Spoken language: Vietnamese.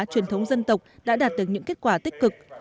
truyền thống dân tộc đã đạt được những kết quả tích cực